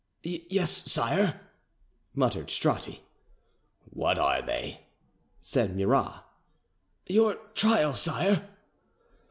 "Yes, sire," muttered Stratti. "What are they?" said Murat. "Your trial, sire."